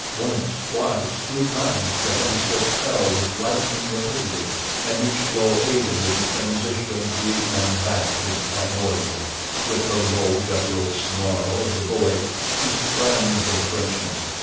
Once, twice, three times the heavy stick fell with lightning rapidity, and each blow aided in the transition of the ape man back to the primordial. With the low, guttural snarl of the bull ape he sprang for the Frenchman.